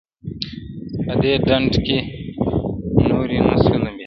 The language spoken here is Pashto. په دې ډنډ کي نوري نه سو لمبېدلای -